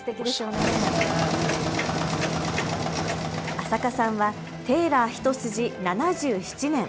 安積さんはテーラー一筋、７７年。